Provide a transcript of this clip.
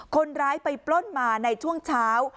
คนร้ายไปปล้นมาในช่วงเช้า